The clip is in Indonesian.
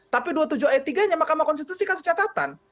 tapi dua ratus tujuh puluh tiga nya makam konstitusi kasih catatan